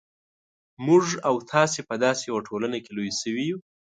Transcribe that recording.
موږ او تاسې په داسې یوه ټولنه کې لوی شوي یو.